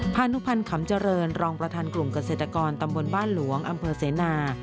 พานุพันธ์ขำเจริญรองประธานกลุ่มเกษตรกรตำบลบ้านหลวงอำเภอเสนา